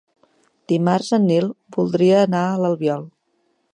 Dimarts en Nil voldria anar a l'Albiol.